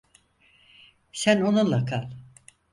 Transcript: Sen onunla kal.